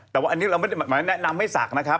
แต่ว่าอันนี้เราไม่ได้แนะนำให้ศักดิ์นะครับ